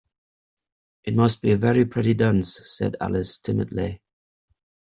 ‘It must be a very pretty dance,’ said Alice timidly.